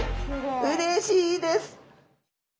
うれしいです！